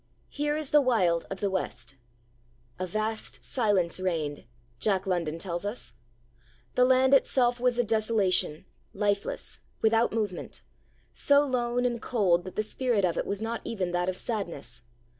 Here is the Wild of the West. 'A vast silence reigned,' Jack London tells us. 'The land itself was a desolation, lifeless, without movement, so lone and cold that the spirit of it was not even that of sadness.